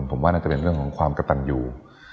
ผมว่าน่าจะเป็นเรื่องของความกระตันอยู่